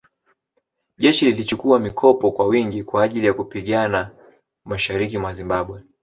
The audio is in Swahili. Jeshi lilichukua mikopo kwa wingi kwa ajili ya kupigana mashariki mwa Zimbabwe